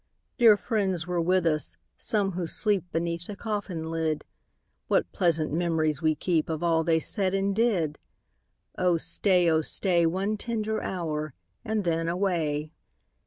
Dear friends were with us, some who sleep Beneath the coffin lid : What pleasant memories we keep Of all they said and did ! Oh stay, oh stay, One tender hour, and then away.